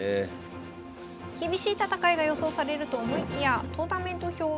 厳しい戦いが予想されると思いきやトーナメント表を見ると。